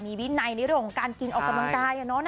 เมียมีในนิดนึงการกินออกกำลังกายนะ๘๐๐